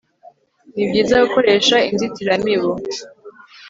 ni byiza gukoresha inzitiramibu